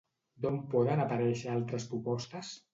D'on poden aparèixer altres propostes?